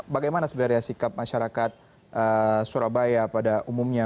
bagaimana sebenarnya sikap masyarakat surabaya pada umumnya